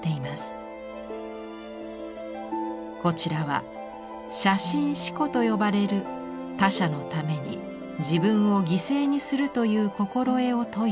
こちらは「捨身飼虎」と呼ばれる他者のために自分を犠牲にするという心得を説いたもの。